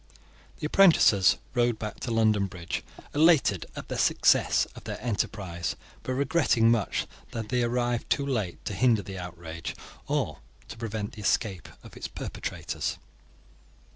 The apprentices rowed back to London Bridge, elated at the success of their enterprise, but regretting much that they had arrived too late to hinder the outrage, or to prevent the escape of its perpetrators.